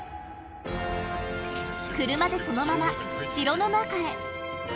車でそのまま城の中へ。